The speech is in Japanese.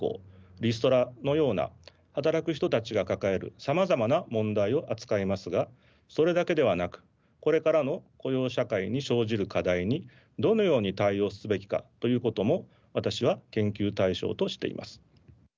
リストラのような働く人たちが抱えるさまざまな問題を扱いますがそれだけではなくこれからの雇用社会に生じる課題にどのように対応すべきかということも私は研究対象としています。